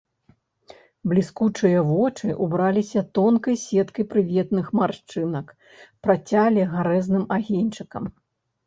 Бліскучыя вочы ўбраліся тонкай сеткай прыветных маршчынак, працялі гарэзным агеньчыкам.